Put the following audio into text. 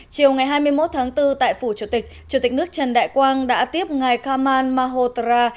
chiều ngày hai mươi một tháng bốn tại phủ chủ tịch chủ tịch nước trần đại quang đã tiếp ngài khamal mahotara